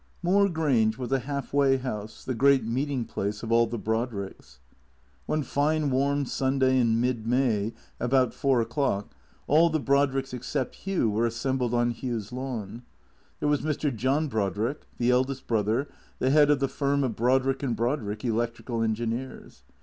Moor Grange was a half way liouse, the great meeting place of all the Brodricks. One fine warm Sunday in mid May, about four o'clock, all the Brodricks except Hugh were assembled on Hugh's lawn. There was Mr. John Brodrick, the eldest brother, the head of the firm of Brodrick and Brodrick, Electrical Engineers.